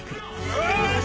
よし！